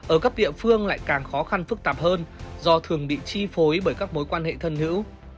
ở các địa phương lại càng khó khăn phức tạp hơn do thường bị chi phối bởi các mối quan hệ thân hữu